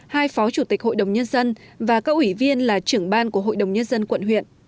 hai phó chủ tịch hội đồng nhân dân và các ủy viên là trưởng ban của hội đồng nhân dân quận huyện